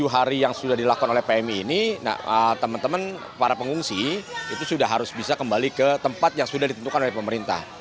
tujuh hari yang sudah dilakukan oleh pmi ini teman teman para pengungsi itu sudah harus bisa kembali ke tempat yang sudah ditentukan oleh pemerintah